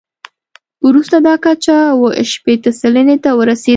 وروسته دا کچه اووه شپېته سلنې ته ورسېده.